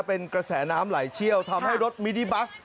เป็นกระแสน้ำไหลเชี่ยวทำให้รถมินิบัส